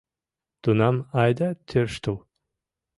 Тунам айда тӧрштыл.